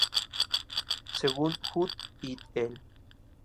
Según Judd "et al.